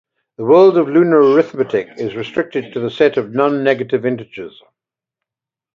The world of lunar arithmetic is restricted to the set of nonnegative integers.